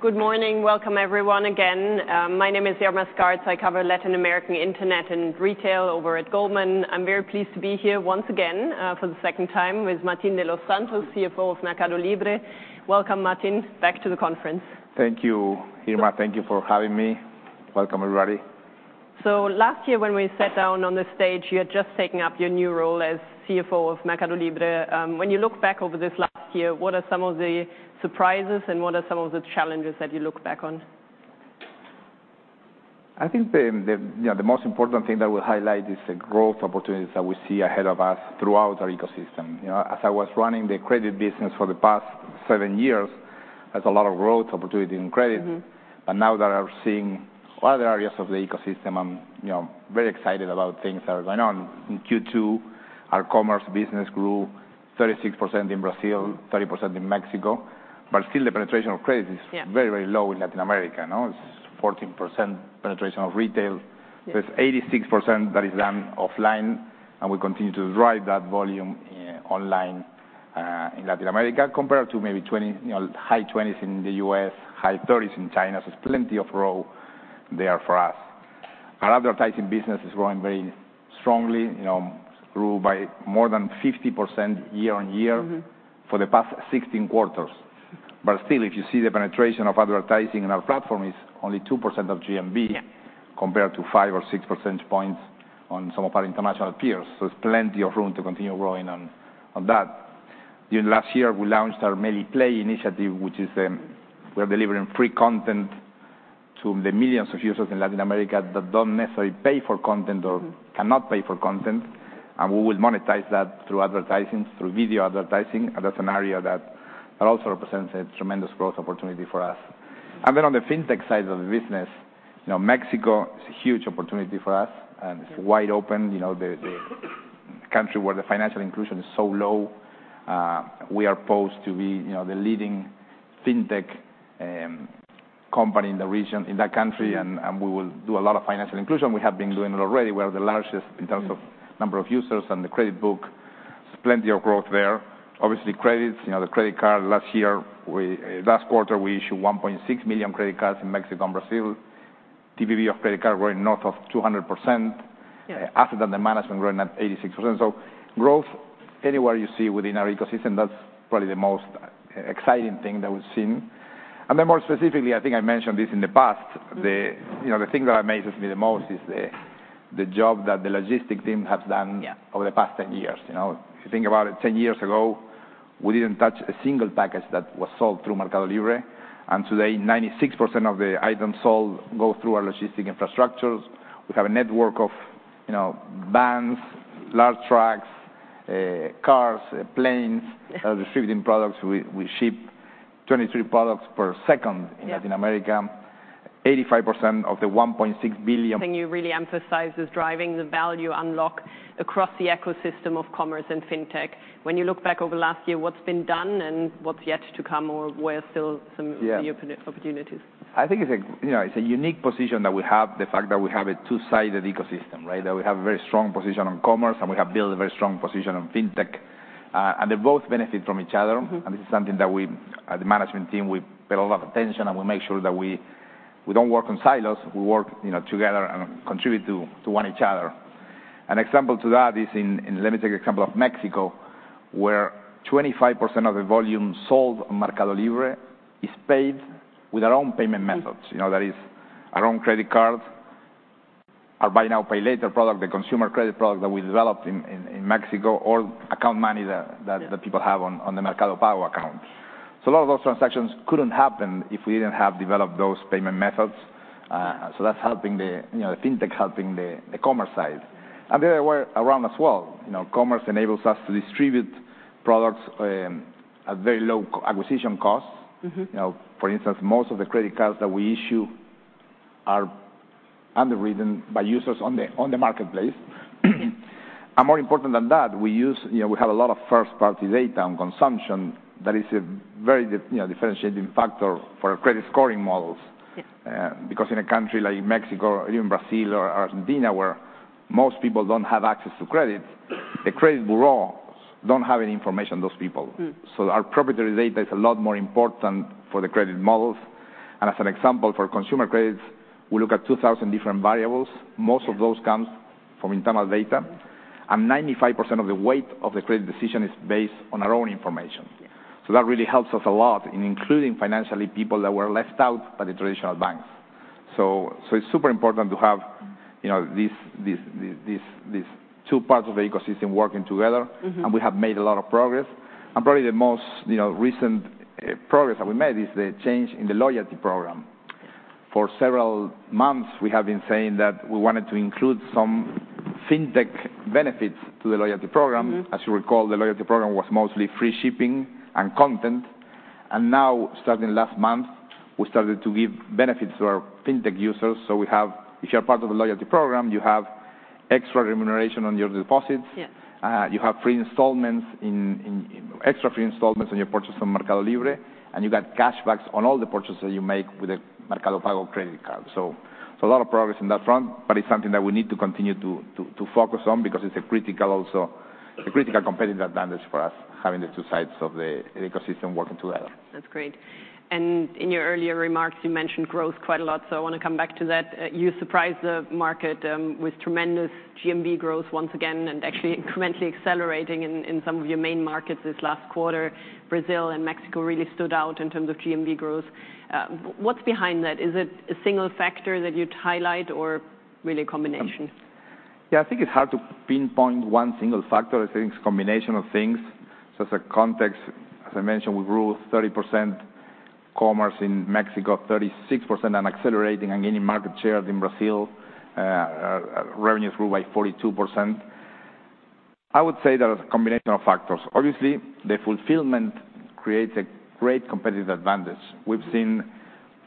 Good morning. Welcome everyone, again. My name is Irma Sgarz. I cover Latin American internet and retail over at Goldman. I'm very pleased to be here once again, for the second time, with Martín de los Santos, CFO of MercadoLibre. Welcome, Martín, back to the conference. Thank you, Irma. Thank you for having me. Welcome, everybody. Last year, when we sat down on this stage, you had just taken up your new role as CFO of MercadoLibre. When you look back over this last year, what are some of the surprises, and what are some of the challenges that you look back on? I think the most important thing that will highlight is the growth opportunities that we see ahead of us throughout our ecosystem. As I was running the credit business for the past seven years, that's a lot of growth opportunity in credit. Now that I'm seeing other areas of the ecosystem, I'm very excited about things that are going on. In Q2, our commerce business grew 36% in Brazil, 30% in Mexico. Yeah. Still the penetration of credit very low in Latin America. It's 14% penetration of retail. Yeah. It's 86% that is done offline, and we continue to drive that volume online in Latin America, compared to maybe high 20s in the U.S., high 30s in China. There's plenty of room there for us. Our advertising business is growing very strongly, grew by more than 50% year-on-year- for the past 16 quarters. Still, if you see the penetration of advertising in our platform, it's only 2% of GMV compared to 5 or 6 percentage points on some of our international peers. There's plenty of room to continue growing on that. During last year, we launched our Mercado Play initiative, which is we're delivering free content to the millions of users in Latin America that don't necessarily pay for content or cannot pay for content. We will monetize that through advertising, through video advertising, and that's an area that also represents a tremendous growth opportunity for us. Then on the fintech side of the business, Mexico is a huge opportunity for us, and it's wide open. The country where the financial inclusion is so low, we are posed to be the leading fintech company in the region, in that country, and we will do a lot of financial inclusion. We have been doing it already. We are the largest in terms of number of users and the credit book. Plenty of growth there. Obviously, credits, the credit card. Last quarter, we issued 1.6 million credit cards in Mexico and Brazil. TPV of credit card growing north of 200%. Yeah. Asset under management growing at 86%. Growth anywhere you see within our ecosystem, that's probably the most exciting thing that we've seen. More specifically, I think I mentioned this in the past. The thing that amazes me the most is the job that the logistic team has done over the past 10 years. Yeah. If you think about it, 10 years ago, we didn't touch a single package that was sold through MercadoLibre. Today, 96% of the items sold go through our logistic infrastructures. We have a network of vans, large trucks, cars, planes. Yeah. Distributing products, we ship 23 products per second-in Latin America. Yeah. 85% of the 1.6 billion. Thing you really emphasize is driving the value unlock across the ecosystem of commerce and fintech. When you look back over the last year, what's been done and what's yet to come, or where are still some- Yeah. -of the opportunities? I think it's a unique position that we have, the fact that we have a two-sided ecosystem. That we have a very strong position on commerce, and we have built a very strong position on fintech. They both benefit from each other. This is something that we, as the management team, we pay a lot of attention, and we make sure that we don't work in silos, we work together and contribute to one each other. An example to that is in, let me take example of Mexico, where 25% of the volume sold on MercadoLibre is paid with our own payment methods. That is our own credit card, our Buy Now, Pay Later product, the consumer credit product that we developed in Mexico, or account money that people have on the Mercado Pago account. Yeah. A lot of those transactions couldn't happen if we didn't have developed those payment methods. That's helping the fintech, helping the commerce side. The other way around as well. Commerce enables us to distribute products at very low acquisition costs. For instance, most of the credit cards that we issue are underwritten by users on the marketplace. Yeah. More important than that, we have a lot of first-party data on consumption that is a very differentiating factor for our credit scoring models. Yeah. In a country like Mexico or even Brazil or Argentina, where most people don't have access to credit, the credit bureaus don't have any information on those people. Our proprietary data is a lot more important for the credit models. As an example for consumer credits, we look at 2,000 different variables. Most of those comes from internal data, and 95% of the weight of the credit decision is based on our own information. Yeah. That really helps us a lot in including financially people that were left out by the traditional banks. It's super important to have these two parts of the ecosystem working together. We have made a lot of progress. Probably the most recent progress that we made is the change in the loyalty program. For several months, we have been saying that we wanted to include some fintech benefits to the loyalty program. As you recall, the loyalty program was mostly free shipping and content. Now, starting last month, we started to give benefits to our fintech users. If you're part of the loyalty program, you have extra remuneration on your deposits. Yeah. You have extra free installments on your purchase from MercadoLibre, and you got cash backs on all the purchases you make with a Mercado Pago credit card. A lot of progress in that front, it's something that we need to continue to focus on because it's a critical competitive advantage for us, having the two sides of the ecosystem working together. That's great. In your earlier remarks, you mentioned growth quite a lot, I want to come back to that. You surprised the market with tremendous GMV growth once again, and actually incrementally accelerating in some of your main markets this last quarter. Brazil and Mexico really stood out in terms of GMV growth. What's behind that? Is it a single factor that you'd highlight or really a combination? Yeah. I think it is hard to pinpoint one single factor. I think it is a combination of things. As a context, as I mentioned, we grew 30% commerce in Mexico, 36% and accelerating and gaining market share in Brazil. Revenues grew by 42%. I would say that a combination of factors. Obviously, the fulfillment creates a great competitive advantage. We have seen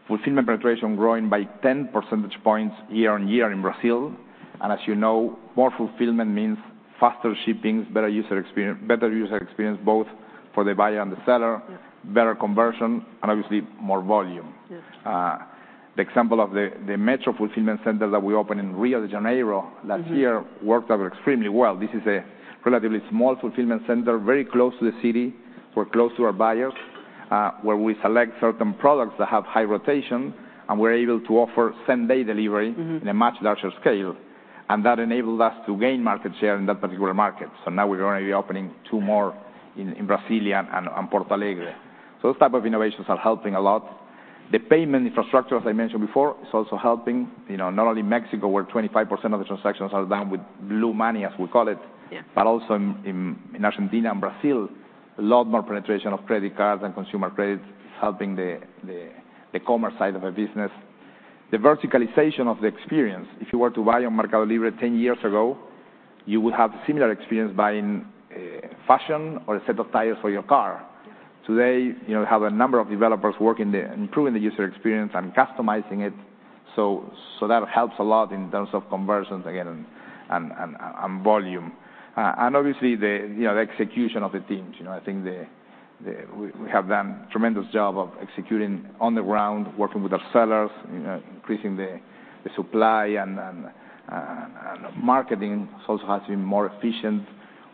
fulfillment penetration growing by 10 percentage points year-on-year in Brazil. As you know, more fulfillment means faster shippings, better user experience, both for the buyer and the seller- Yes. Better conversion, and obviously more volume. Yes. The example of the metro fulfillment center that we opened in Rio de Janeiro last year worked out extremely well. This is a relatively small fulfillment center, very close to the city. We are close to our buyers, where we select certain products that have high rotation, and we are able to offer same-day delivery in a much larger scale. That enabled us to gain market share in that particular market. Now we're going to be opening two more in Brasília and Porto Alegre. Those type of innovations are helping a lot. The payment infrastructure, as I mentioned before, is also helping, not only Mexico, where 25% of the transactions are done with blue money, as we call it. Yes. Also in Argentina and Brazil, a lot more penetration of credit cards and consumer credit is helping the commerce side of our business. The verticalization of the experience, if you were to buy on MercadoLibre 10 years ago, you would have a similar experience buying fashion or a set of tires for your car. Yes. Today, we have a number of developers working, improving the user experience and customizing it. That helps a lot in terms of conversions, again, and volume. Obviously the execution of the teams. I think we have done tremendous job of executing on the ground, working with our sellers, increasing the supply, and marketing also has been more efficient.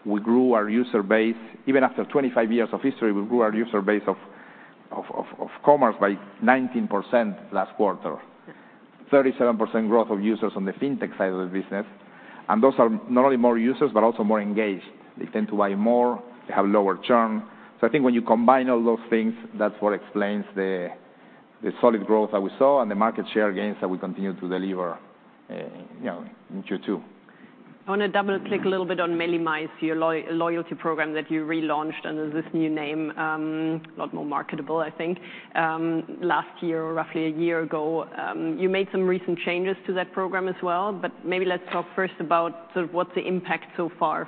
We grew our user base. Even after 25 years of history, we grew our user base of commerce by 19% last quarter. 37% growth of users on the fintech side of the business. Those are not only more users, but also more engaged. They tend to buy more, they have lower churn. I think when you combine all those things, that's what explains the solid growth that we saw and the market share gains that we continue to deliver in Q2. I want to double click a little bit on Meli+, your loyalty program that you relaunched under this new name, a lot more marketable, I think. Last year or roughly one year ago, you made some recent changes to that program as well, Maybe let's talk first about sort of what the impact so far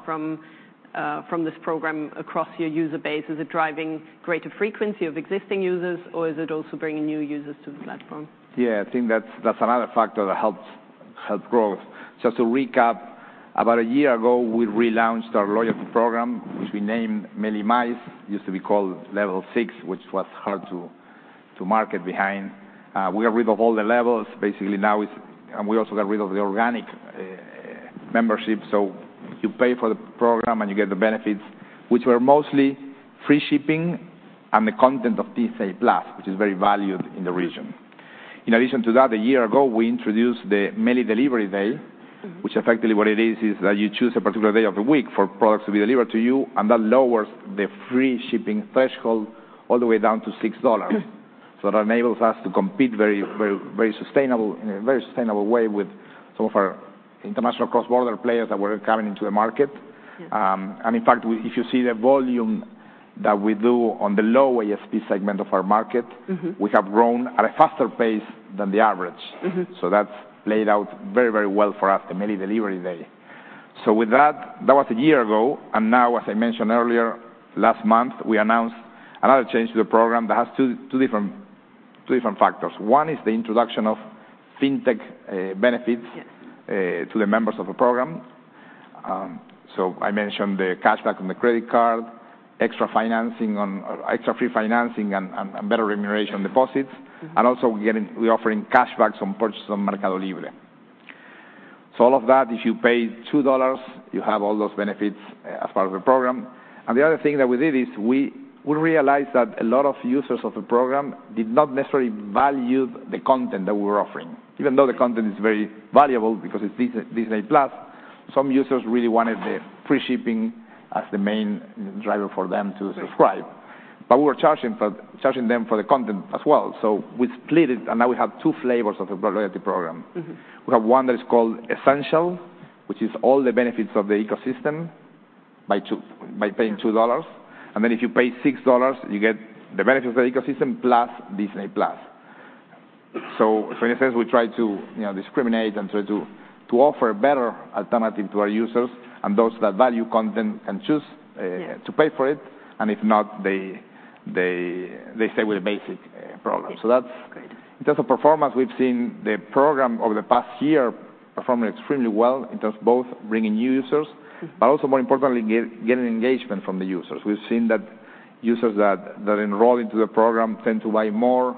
from this program across your user base. Is it driving greater frequency of existing users, or is it also bringing new users to the platform? Yeah, I think that's another factor that helped growth. To recap, about a year ago, we relaunched our loyalty program, which we named Meli+. Used to be called Level 6, which was hard to market behind. We got rid of all the levels basically now. We also got rid of the organic membership. You pay for the program, and you get the benefits, which were mostly free shipping and the content of Disney+, which is very valued in the region. In addition to that, a year ago, we introduced the Meli+ Delivery Day which effectively what it is that you choose a particular day of the week for products to be delivered to you, and that lowers the free shipping threshold all the way down to $6. That enables us to compete in a very sustainable way with some of our international cross-border players that were coming into the market. Yes. In fact, if you see the volume that we do on the low ASP segment of our market we have grown at a faster pace than the average. That's laid out very well for us, the Meli+ Delivery Day. With that was a year ago, and now, as I mentioned earlier, last month, we announced another change to the program that has two different factors. One is the introduction of fintech benefits the members of the program. Yes. I mentioned the cashback on the credit card, extra free financing, and better remuneration deposits. Also, we're offering cash backs on purchases on MercadoLibre. All of that, if you pay $2, you have all those benefits as part of the program. The other thing that we did is we realized that a lot of users of the program did not necessarily value the content that we were offering. Even though the content is very valuable because it's Disney+, some users really wanted the free shipping as the main driver for them to subscribe. Right. We were charging them for the content as well. We split it, and now we have two flavors of the loyalty program. We have one that is called Essential, which is all the benefits of the ecosystem by paying $2. If you pay $6, you get the benefits of the ecosystem, plus Disney+. In a sense, we try to discriminate and try to offer a better alternative to our users and those that value content and choose. Yes. To pay for it. If not, they stay with the basic program. Okay, great. In terms of performance, we've seen the program over the past year performing extremely well in terms both bringing new users. Also, more importantly, getting engagement from the users. We've seen that users that enroll into the program tend to buy more.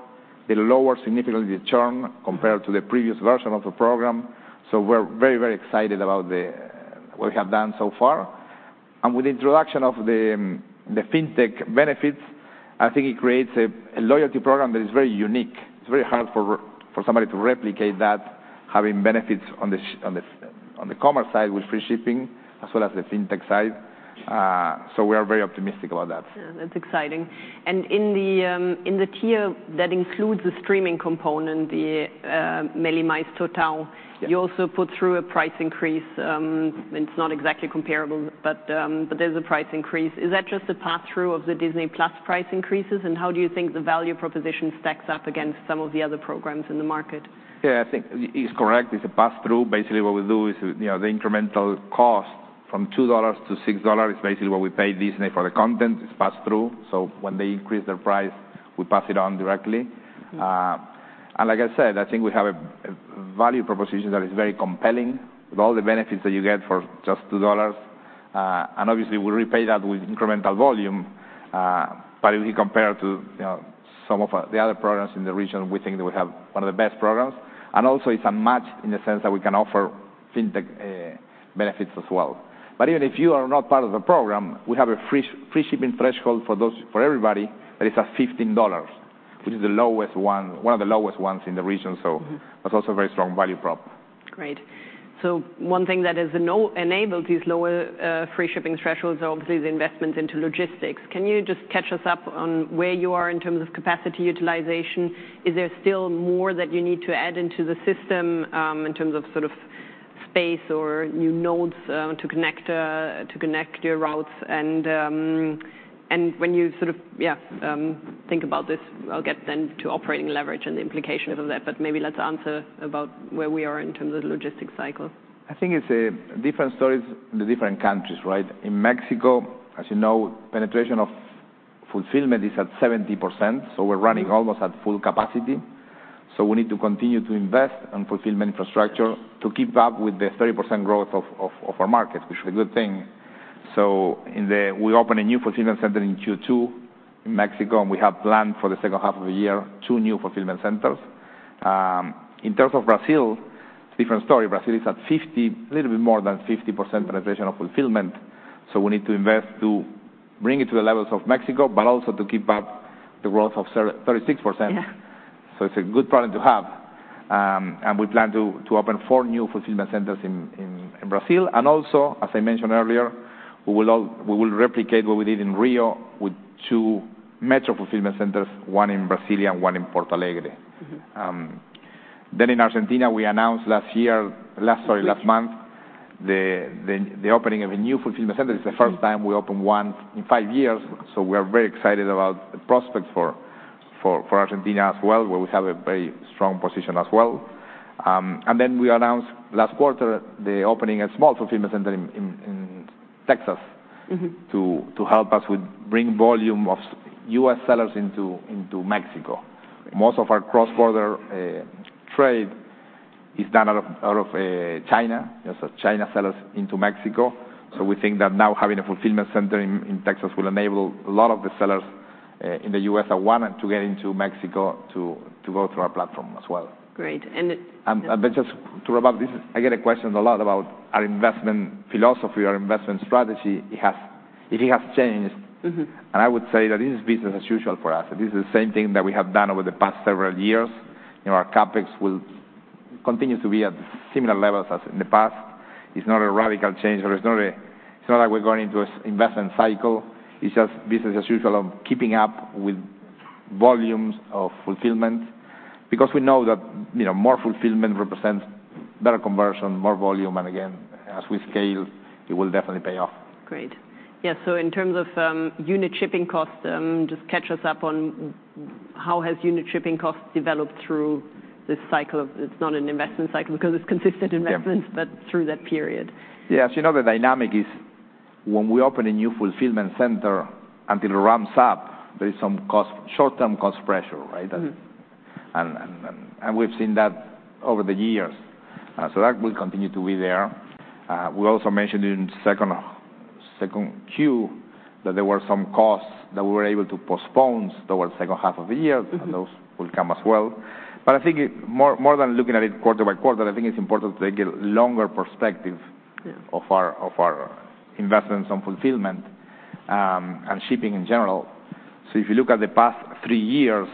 It lowers significantly the churn compared to the previous version of the program. We're very excited about what we have done so far. With the introduction of the fintech benefits, I think it creates a loyalty program that is very unique. It's very hard for somebody to replicate that, having benefits on the commerce side with free shipping as well as the fintech side. We are very optimistic about that. Yeah, that's exciting. In the Tier that includes the streaming component, the Meli+ Total. Yeah. You also put through a price increase. It's not exactly comparable, but there's a price increase. Is that just a pass-through of the Disney+ price increases? How do you think the value proposition stacks up against some of the other programs in the market? Yeah, I think it's correct. It's a pass-through. Basically what we do is, the incremental cost from $2-$6 is basically what we pay Disney for the content, it's pass-through. When they increase their price, we pass it on directly. Like I said, I think we have a value proposition that is very compelling with all the benefits that you get for just $2. Obviously, we repay that with incremental volume. If you compare to some of the other programs in the region, we think that we have one of the best programs. Also it's a match in the sense that we can offer fintech benefits as well. Even if you are not part of the program, we have a free shipping threshold for everybody that is at $15, which is one of the lowest ones in the region. That's also a very strong value prop. Great. One thing that has enabled these lower free shipping thresholds are obviously the investments into logistics. Can you just catch us up on where you are in terms of capacity utilization? Is there still more that you need to add into the system, in terms of space or new nodes to connect your routes? When you think about this, I'll get then to operating leverage and the implications of that, but maybe let's answer about where we are in terms of the logistics cycle. I think it's a different story in the different countries, right? In Mexico, as you know, penetration of fulfillment is at 70%. We're running almost at full capacity. We need to continue to invest in fulfillment infrastructure to keep up with the 30% growth of our market, which is a good thing. We open a new fulfillment center in Q2 in Mexico, and we have planned for the second half of the year two new fulfillment centers. In terms of Brazil, it's a different story. Brazil is at a little bit more than 50% penetration of fulfillment. We need to invest to bring it to the levels of Mexico, but also to keep up the growth of 36%. Yeah. It's a good problem to have. We plan to open four new fulfillment centers in Brazil. Also, as I mentioned earlier, we will replicate what we did in Rio with two metro fulfillment centers, one in Brasilia and one in Porto Alegre. In Argentina, we announced last month the opening of a new fulfillment center. It's the first time we opened one in five years. We are very excited about the prospects for Argentina as well, where we have a very strong position as well. We announced last quarter the opening a small fulfillment center in Texas to help us with bring volume of U.S. sellers into Mexico. Most of our cross-border trade is done out of China. China sellers into Mexico. We think that now having a fulfillment center in Texas will enable a lot of the sellers in the U.S. that want to get into Mexico to go through our platform as well. Great. Just to wrap up this, I get a question a lot about our investment philosophy, our investment strategy, if it has changed. I would say that this is business as usual for us. This is the same thing that we have done over the past several years. Our CapEx will continue to be at similar levels as in the past. It's not a radical change, or it's not like we're going into an investment cycle. It's just business as usual of keeping up with volumes of fulfillment because we know that more fulfillment represents better conversion, more volume, and again, as we scale, it will definitely pay off. Great. Yeah. In terms of unit shipping costs, just catch us up on how has unit shipping costs developed through this cycle of, it's not an investment cycle because it's consistent investments. Yeah. Through that period. Yeah. As you know, the dynamic is when we open a new fulfillment center, until it ramps up, there is some short-term cost pressure, right? We've seen that over the years. That will continue to be there. We also mentioned in 2Q that there were some costs that we were able to postpone towards the second half of the year. Those will come as well. I think more than looking at it quarter by quarter. I think it's important to take a longer perspective. Yeah. Of our investments on fulfillment, and shipping in general. If you look at the past three years,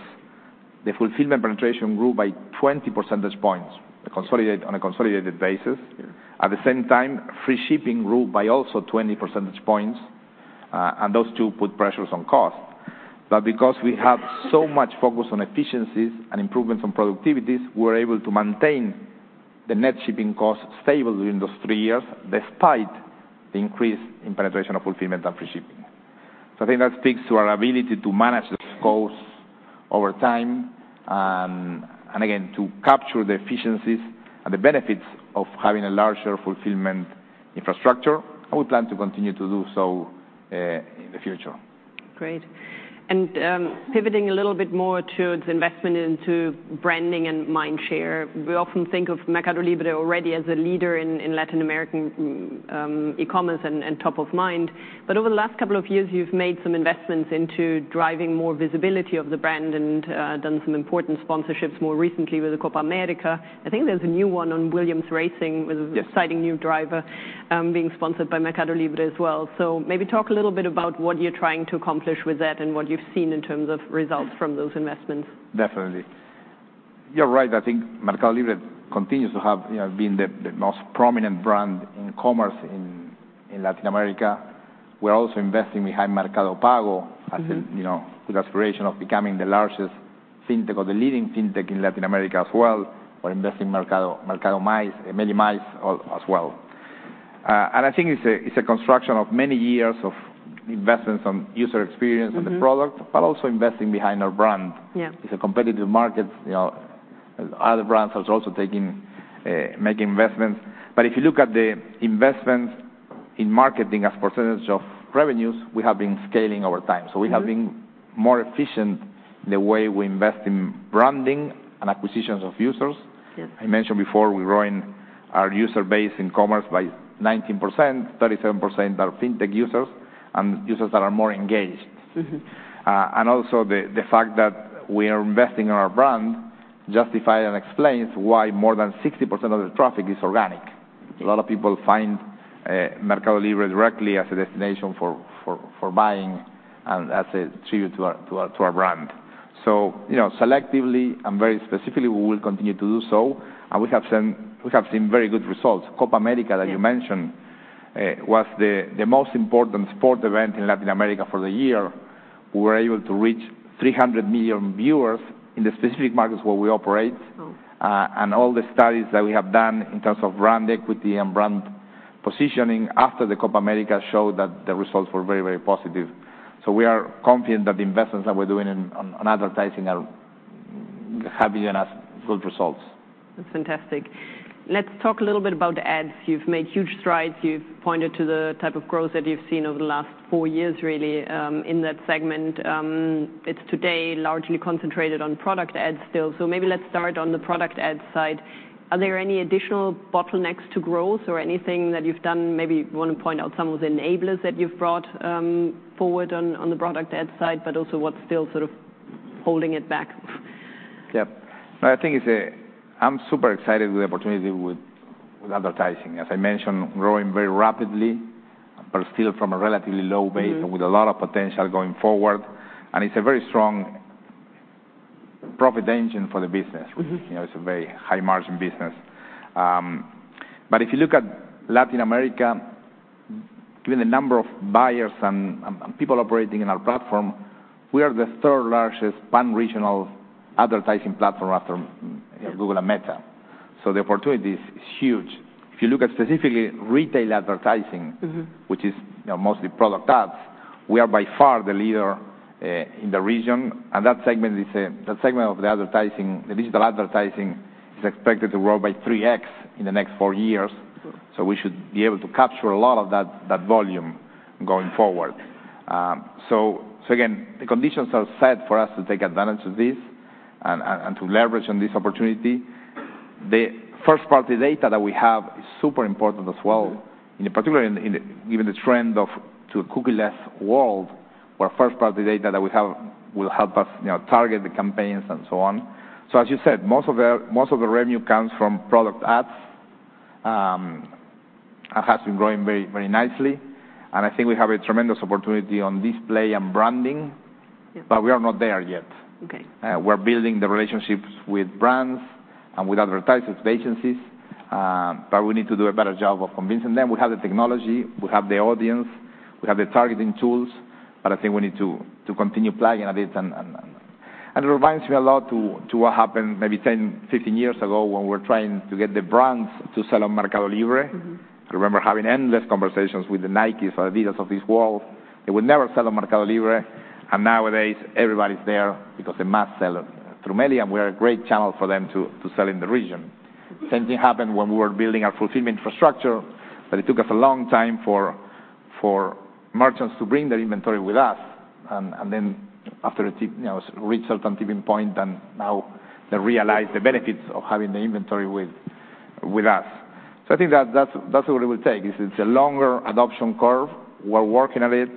the fulfillment penetration grew by 20 percentage points on a consolidated basis. Yeah. At the same time, free shipping grew by also 20 percentage points. Those two put pressures on cost. Because we have so much focus on efficiencies and improvements on productivities, we're able to maintain the net shipping cost stable during those three years, despite the increase in penetration of fulfillment and free shipping. I think that speaks to our ability to manage those costs over time, and again, to capture the efficiencies and the benefits of having a larger fulfillment infrastructure. We plan to continue to do so in the future. Great. Pivoting a little bit more towards investment into branding and mind share, we often think of MercadoLibre already as a leader in Latin American e-commerce and top of mind. Over the last couple of years, you've made some investments into driving more visibility of the brand and done some important sponsorships more recently with the Copa América. I think there's a new one on Williams Racing. Yes. An exciting new driver being sponsored by MercadoLibre as well. Maybe talk a little bit about what you're trying to accomplish with that and what you've seen in terms of results from those investments. Definitely. You're right. I think MercadoLibre continues to have been the most prominent brand in commerce in Latin America. We're also investing behind Mercado Pago with aspiration of becoming the largest fintech or the leading fintech in Latin America as well. We're investing in Meli+ as well. I think it's a construction of many years of investments on user experience and the product, but also investing behind our brand. Yeah. It's a competitive market. Other brands are also making investments. If you look at the investments in marketing as percentage of revenues, we have been scaling over time. We have been more efficient in the way we invest in branding and acquisitions of users. Good. I mentioned before, we're growing our user base in commerce by 19%, 37% are fintech users and users that are more engaged. The fact that we are investing in our brand justifies and explains why more than 60% of the traffic is organic. A lot of people find MercadoLibre directly as a destination for buying, and that's a tribute to our brand. Selectively and very specifically, we will continue to do so. We have seen very good results. Yeah. Copa América as you mentioned, was the most important sport event in Latin America for the year. We were able to reach 300 million viewers in the specific markets where we operate. Wow. All the studies that we have done in terms of brand equity and brand positioning after the Copa América show that the results were very, very positive. We are confident that the investments that we're doing on advertising are having good results. That's fantastic. Let's talk a little bit about the ads. You've made huge strides. You've pointed to the type of growth that you've seen over the last four years really, in that segment. It's today largely concentrated on product ads still. Maybe let's start on the product ad side. Are there any additional bottlenecks to growth or anything that you've done? Maybe you want to point out some of the enablers that you've brought forward on the product ad side, but also what's still sort of holding it back? Yeah. I'm super excited with the opportunity with advertising. As I mentioned, growing very rapidly, but still from a relatively low base with a lot of potential going forward. It's a very strong profit engine for the business. It's a very high margin business. If you look at Latin America, given the number of buyers and people operating in our platform, we are the third largest pan-regional advertising platform after Google and Meta. The opportunity is huge. If you look at specifically retail advertising which is mostly product ads, we are by far the leader in the region. That segment of the digital advertising is expected to grow by 3x in the next four years. We should be able to capture a lot of that volume going forward. Again, the conditions are set for us to take advantage of this and to leverage on this opportunity. The first-party data that we have is super important as well. In particular, given the trend to a cookieless world, where first-party data that we have will help us target the campaigns and so on. As you said, most of the revenue comes from product ads, and has been growing very nicely. I think we have a tremendous opportunity on display and branding. Yeah. We are not there yet. Okay. We're building the relationships with brands and with advertisers, agencies, but we need to do a better job of convincing them. We have the technology, we have the audience, we have the targeting tools, but I think we need to continue plugging at it. It reminds me a lot to what happened maybe 10, 15 years ago, when we were trying to get the brands to sell on MercadoLibre. I remember having endless conversations with the Nikes or Adidas of this world. They would never sell on MercadoLibre. Nowadays, everybody's there because they must sell through Meli+, and we are a great channel for them to sell in the region. Same thing happened when we were building our fulfillment infrastructure. It took us a long time for merchants to bring their inventory with us. After it reached a tipping point, now they realize the benefits of having the inventory with us. I think that's what it will take, is it's a longer adoption curve. We're working at it.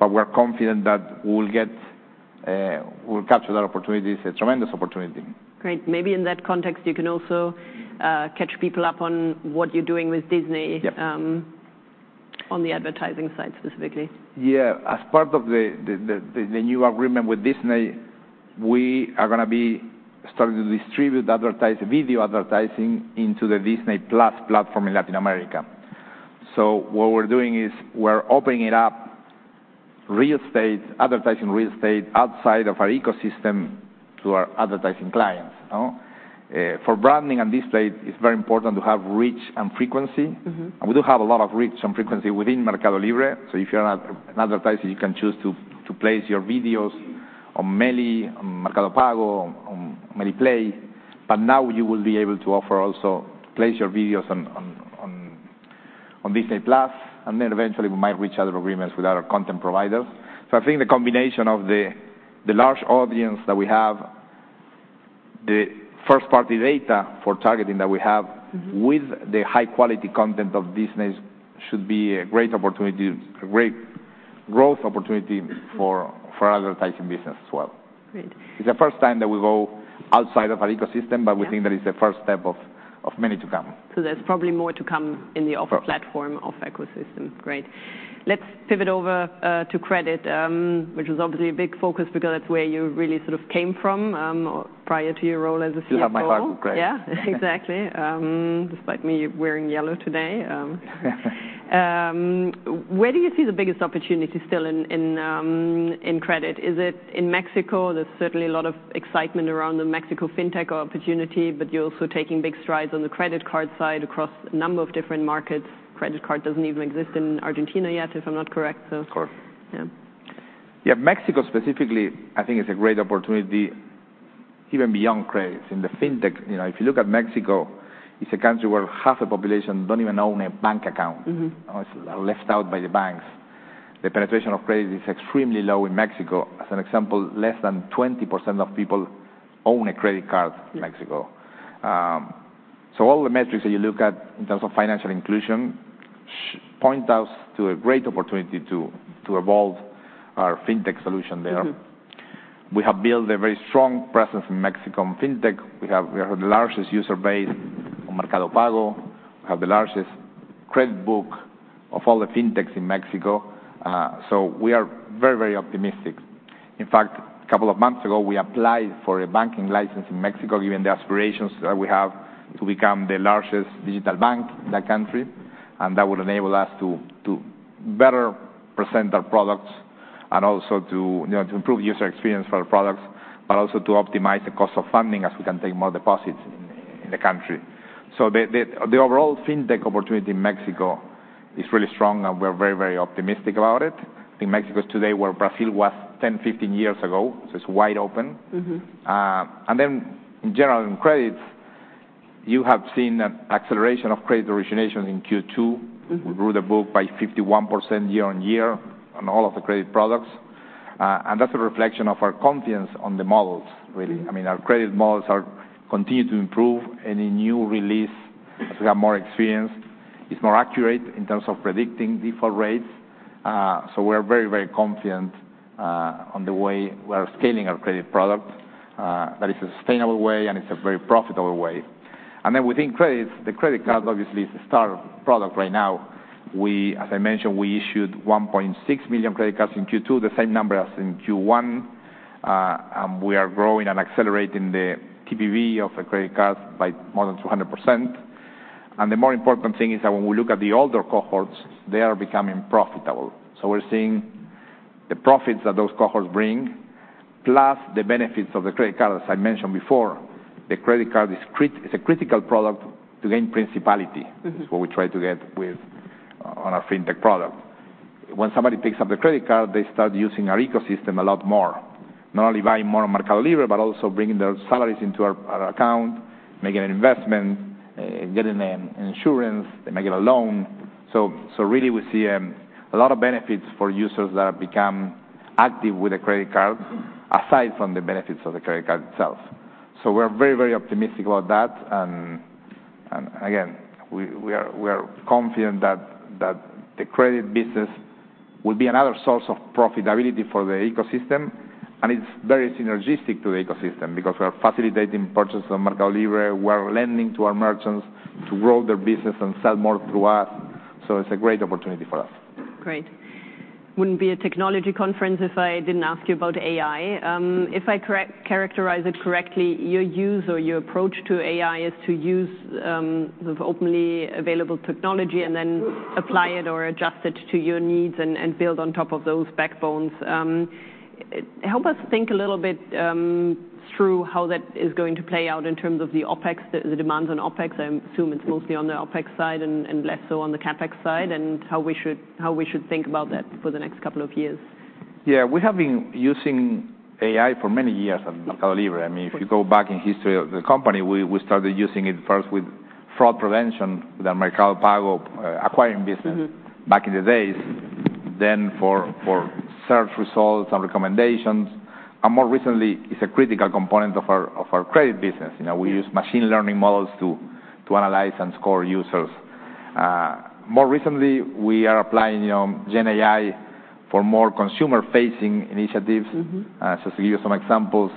We're confident that we'll capture that opportunity. It's a tremendous opportunity. Great. Maybe in that context, you can also catch people up on what you're doing with Disney. Yeah. On the advertising side specifically. Yeah. As part of the new agreement with Disney+, we are going to be starting to distribute video advertising into the Disney+ platform in Latin America. What we're doing is we're opening it up, advertising real estate outside of our ecosystem to our advertising clients. For branding and display, it's very important to have reach and frequency. We do have a lot of reach and frequency within MercadoLibre. If you're an advertiser, you can choose to place your videos on Meli+, on Mercado Pago, on Mercado Play. Now you will be able to offer also place your videos on Disney+, and then eventually we might reach other agreements with other content providers. I think the combination of the large audience that we have, the first-party data for targeting that we have with the high-quality content of Disney should be a great growth opportunity for advertising business as well. Great. It's the first time that we go outside of our ecosystem. We think that it's the first step of many to come. There's probably more to come in the offer platform of ecosystem. Great. Let's pivot over to credit, which was obviously a big focus because that's where you really came from prior to your role as a CFO. Still have my heart, great. Yeah, exactly. Despite me wearing yellow today. Where do you see the biggest opportunity still in credit? Is it in Mexico? There's certainly a lot of excitement around the Mexico fintech opportunity, but you're also taking big strides on the credit card side across a number of different markets. Credit card doesn't even exist in Argentina yet, if I'm not correct. Of course. Yeah. Yeah, Mexico specifically, I think is a great opportunity even beyond credits in the fintech. If you look at Mexico, it's a country where half the population don't even own a bank account are left out by the banks. The penetration of credit is extremely low in Mexico. As an example, less than 20% of people own a credit card in Mexico. Yeah. All the metrics that you look at in terms of financial inclusion point us to a great opportunity to evolve our fintech solution there. We have built a very strong presence in Mexico on fintech. We have the largest user base on Mercado Pago. We have the largest credit book of all the fintechs in Mexico. We are very optimistic. In fact, a couple of months ago, we applied for a banking license in Mexico, given the aspirations that we have to become the largest digital bank in the country. That would enable us to better present our products and also to improve user experience for our products, but also to optimize the cost of funding as we can take more deposits in the country. The overall fintech opportunity in Mexico is really strong, and we're very optimistic about it. I think Mexico is today where Brazil was 10, 15 years ago. It's wide open. In general, in credits, you have seen an acceleration of credit originations in Q2. We grew the book by 51% year-on-year on all of the credit products. That's a reflection of our confidence on the models, really. Our credit models continue to improve. Any new release, as we have more experience, is more accurate in terms of predicting default rates. We're very confident on the way we are scaling our credit product, that it's a sustainable way and it's a very profitable way. Then within credits, the credit card obviously is the star product right now. As I mentioned, we issued 1.6 million credit cards in Q2, the same number as in Q1. We are growing and accelerating the TPV of the credit cards by more than 200%. The more important thing is that when we look at the older cohorts, they are becoming profitable. We're seeing the profits that those cohorts bring, plus the benefits of the credit card. As I mentioned before, the credit card is a critical product to gain principality. Is what we try to get on our fintech product. When somebody picks up the credit card, they start using our ecosystem a lot more. Not only buying more on MercadoLibre, but also bringing their salaries into our account, making an investment, getting an insurance, they make it a loan. Really, we see a lot of benefits for users that have become active with a credit card, aside from the benefits of the credit card itself. We're very optimistic about that, and again, we are confident that the credit business will be another source of profitability for the ecosystem, and it's very synergistic to the ecosystem because we are facilitating purchases on MercadoLibre. We're lending to our merchants to grow their business and sell more through us. It's a great opportunity for us. Great. Wouldn't be a technology conference if I didn't ask you about AI. If I characterize it correctly, your use or your approach to AI is to use openly available technology and then apply it or adjust it to your needs and build on top of those backbones. Help us think a little bit through how that is going to play out in terms of the demands on OpEx. I assume it's mostly on the OpEx side and less so on the CapEx side, and how we should think about that for the next couple of years. We have been using AI for many years at MercadoLibre. If you go back in history of the company, we started using it first with fraud prevention, with the Mercado Pago acquiring business back in the days. Then for search results and recommendations, and more recently, it's a critical component of our credit business. We use machine learning models to analyze and score users. More recently, we are applying generative AI for more consumer-facing initiatives to give you some examples,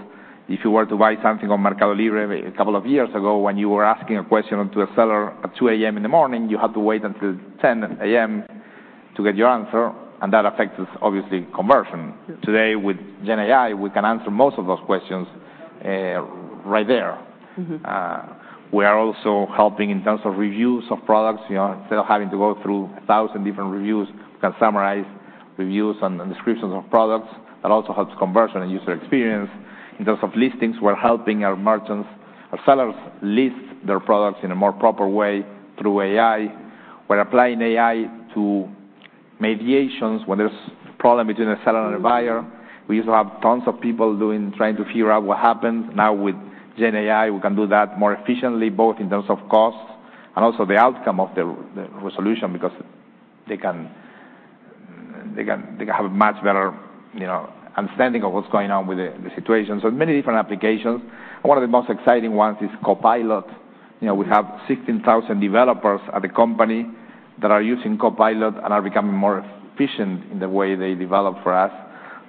if you were to buy something on MercadoLibre a couple of years ago, when you were asking a question to a seller at 2:00AM in the morning, you had to wait until 10:00AM to get your answer, and that affects, obviously, conversion. Yeah. Today with generative AI, we can answer most of those questions right there. We are also helping in terms of reviews of products. Instead of having to go through 1,000 different reviews, we can summarize reviews and descriptions of products. That also helps conversion and user experience. In terms of listings, we're helping our merchants, our sellers list their products in a more proper way through AI. We're applying AI to mediations when there's a problem between a seller and a buyer. We used to have tons of people trying to figure out what happened. Now, with GenAI, we can do that more efficiently, both in terms of cost and also the outcome of the resolution, because they can have a much better understanding of what's going on with the situation. Many different applications. One of the most exciting ones is Copilot. We have 16,000 developers at the company that are using Copilot and are becoming more efficient in the way they develop for us.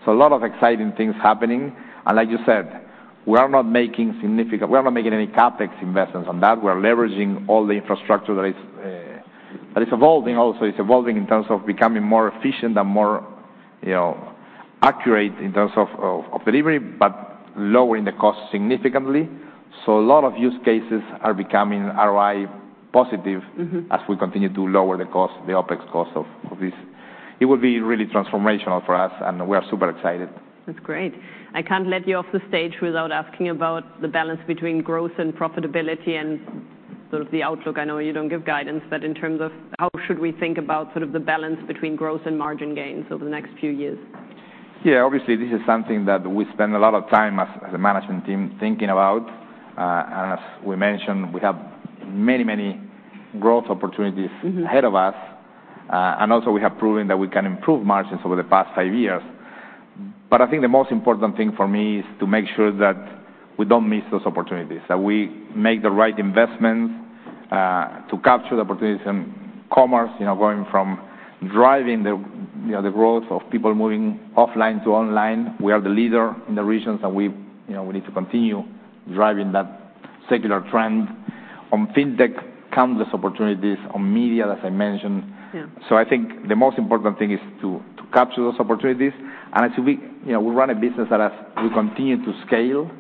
A lot of exciting things happening. Like you said, we are not making any CapEx investments on that. We're leveraging all the infrastructure that is evolving also. It's evolving in terms of becoming more efficient and more accurate in terms of delivery, but lowering the cost significantly. A lot of use cases are becoming ROI positive as we continue to lower the OpEx cost of this. It will be really transformational for us, and we are super excited. That's great. I can't let you off the stage without asking about the balance between growth and profitability and sort of the outlook. I know you don't give guidance, but in terms of how should we think about the balance between growth and margin gains over the next few years? Yeah, obviously, this is something that we spend a lot of time as a management team thinking about. As we mentioned, we have many growth opportunities ahead of us. Also we have proven that we can improve margins over the past five years. I think the most important thing for me is to make sure that we don't miss those opportunities, that we make the right investments to capture the opportunities in commerce, going from driving the growth of people moving offline to online. We are the leader in the regions, and we need to continue driving that secular trend. On fintech, countless opportunities. On media, as I mentioned. Yeah. I think the most important thing is to capture those opportunities. We run a business that as we continue to scale,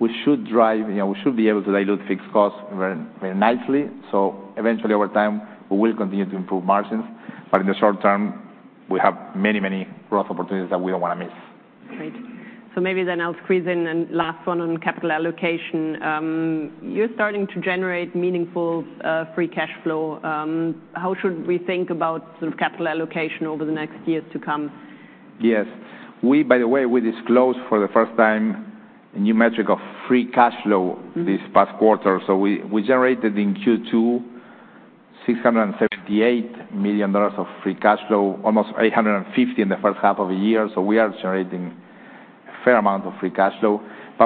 we should be able to dilute fixed costs very nicely. Eventually, over time, we will continue to improve margins. In the short term, we have many growth opportunities that we don't want to miss. Great. Maybe then I'll squeeze in a last one on capital allocation. You're starting to generate meaningful free cash flow. How should we think about capital allocation over the next years to come? Yes. By the way, we disclosed for the first time a new metric of free cash flow this past quarter. We generated in Q2 $678 million of free cash flow, almost $850 million in the first half of the year. We are generating a fair amount of free cash flow.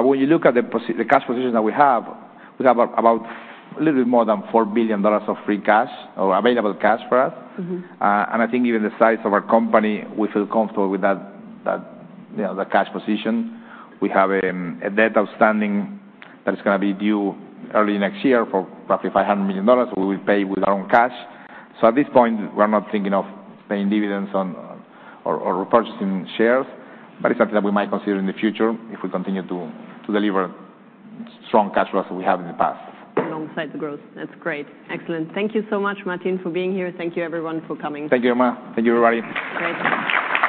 When you look at the cash position that we have, we have about a little bit more than $4 billion of free cash or available cash for us. I think given the size of our company, we feel comfortable with the cash position. We have a debt outstanding that is going to be due early next year for roughly $500 million. We will pay with our own cash. At this point, we're not thinking of paying dividends or repurchasing shares. It's something that we might consider in the future if we continue to deliver strong cash flows that we have in the past. Alongside the growth. That's great. Excellent. Thank you so much, Martín, for being here. Thank you, everyone, for coming. Thank you, Irma. Thank you, everybody. Great.